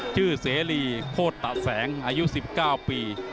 ชื่อเสรีโคตรตะแสงอายุ๑๙ปี